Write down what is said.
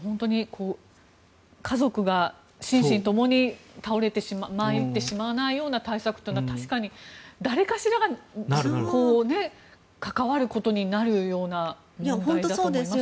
家族が心身ともに倒れて参ってしまわないような対策というのは確かに誰かしらが関わることになるような問題だと思います。